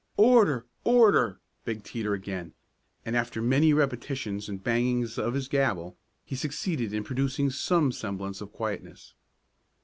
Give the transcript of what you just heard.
"Order! Order!" begged Teeter again, and after many repetitions, and bangings of his gavel, he succeeded in producing some semblance of quietness.